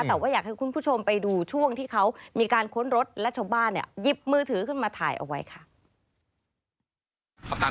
แต่ว่าอยากให้คุณผู้ชมไปดูช่วงที่เขามีการค้นรถและชาวบ้านเนี่ยหยิบมือถือขึ้นมาถ่ายเอาไว้ค่ะ